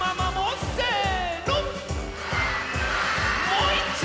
もういっちょ！